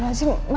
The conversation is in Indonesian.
susah sih ya